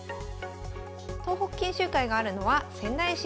東北研修会があるのは仙台市になります。